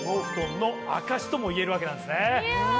ともいえるわけなんですね。